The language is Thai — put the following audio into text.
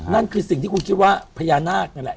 นั่นคือสิ่งที่คุณคิดว่าพญานาคนั่นแหละ